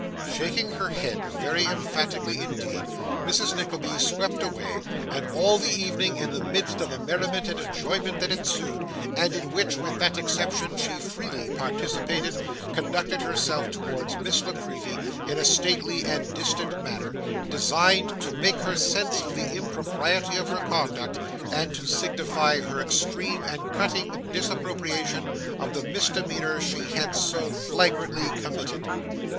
Shaking her head very emphatically indeed, Mrs. Nickleby swept away; and all the evening, in the midst of the merriment and enjoyment that ensued, and in which with that exception she freely participated, conducted herself towards Miss La Creevy in a stately and distant manner, designed to mark her sense of the impropriety of her conduct, and to signify her extreme and cutting disapprobation of the misdemeanour she had so flagrantly committed.